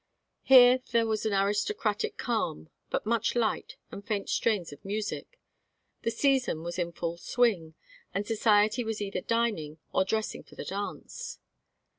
Here there was an aristocratic calm, but much light, and faint strains of music. The season was in full swing, and society was either dining, or dressing for the dance.